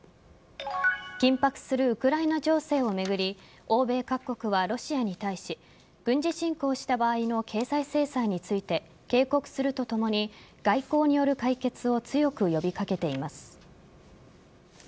緊迫するウクライナ情勢を巡り欧米各国はロシアに対し軍事侵攻した場合の経済制裁について警告するとともに外交による解決を強く呼び掛けています。